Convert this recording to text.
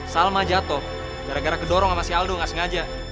salma jatuh gara gara kedorong sama si aldo nggak sengaja